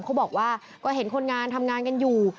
เขาบอกว่าก็เห็นคนงานทำงานกันอยู่